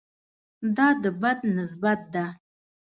دا د بد نسبت ده.